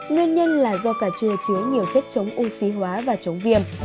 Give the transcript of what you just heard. nguyên nhân là do cà chua chứa nhiều chất chống oxy hóa và chống viêm